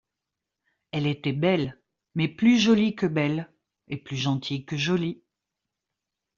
Elle était belle, mais plus jolie que belle, et plus gentille que jolie.